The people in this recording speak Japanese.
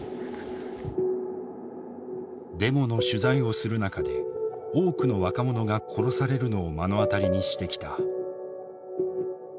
デモの取材をする中で多くの若者が殺されるのを目の当たりにしてきた。